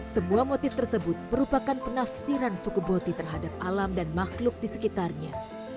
sebuah motif tersebut merupakan penafsiran suku boti terhadap alam dan makhluk di sekitarnya